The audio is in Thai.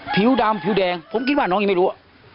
ผิวดำผิวแดงผมคิดว่าน้องยังไม่รู้